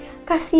ya mas ya